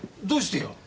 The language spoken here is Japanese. どうしてよ。